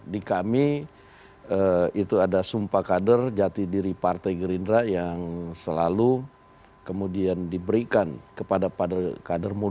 di kami itu ada sumpah kader jati diri partai gerindra yang selalu kemudian diberikan kepada kader muda